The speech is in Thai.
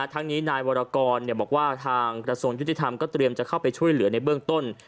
ทั้งนี้นายวรกรบอกว่าทางกระทรวงยุติธรรมก็เตรียมจะเข้าไปช่วยเหลือในเบื้องต้น